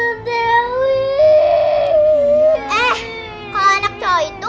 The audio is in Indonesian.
eh kok anak cowok itu